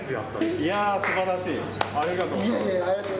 いやあすばらしい。